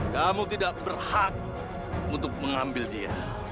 kamu tidak berhak untuk mengambil dia